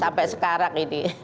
sampai sekarang ini